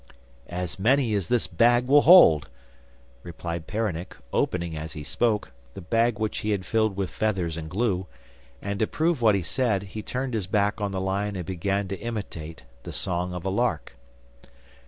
'As many as this bag will hold,' replied Peronnik, opening, as he spoke, the bag which he had filled with feathers and glue; and to prove what he said, he turned his back on the lion and began to imitate the song of a lark.